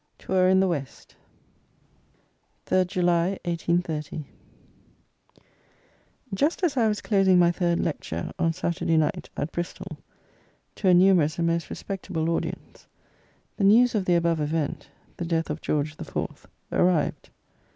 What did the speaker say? TOUR IN THE WEST. 3rd July, 1830. Just as I was closing my third Lecture (on Saturday night), at Bristol, to a numerous and most respectable audience, the news of the above event [the death of George IV.] arrived.